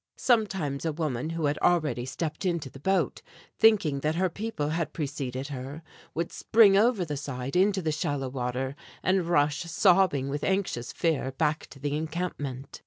Sometimes a woman who had already stepped into the boat, thinking that her people had preceded her, would spring over the side into the shallow water, and rush, sobbing with anxious fear, back to the encampment.